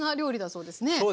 そうですね。